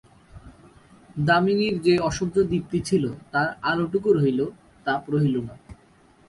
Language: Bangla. দামিনীর যে অসহ্য দীপ্তি ছিল তার আলোটুকু রহিল, তাপ রহিল না।